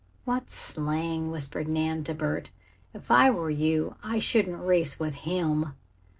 "What slang!" whispered Nan, to Bert. "If I were you I shouldn't race with him."